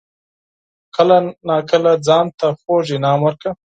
کله ناکله ځان ته خوږ انعام ورکړه.